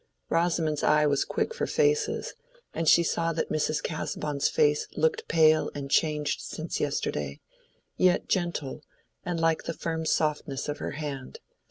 Rosamond's eye was quick for faces; she saw that Mrs. Casaubon's face looked pale and changed since yesterday, yet gentle, and like the firm softness of her hand.